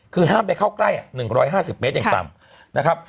คือห้ามไปเข้าใกล้๑๕๐เมตรอย่างต่ำนะครับ